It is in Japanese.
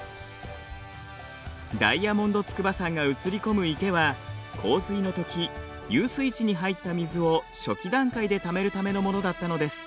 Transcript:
ダイヤモンド筑波山が映り込む池は洪水の時遊水地に入った水を初期段階でためるためのものだったのです。